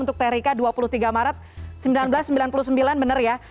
untuk terika dua puluh tiga maret seribu sembilan ratus sembilan puluh sembilan bener ya